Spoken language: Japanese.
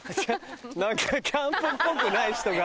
何かキャンプっぽくない人が。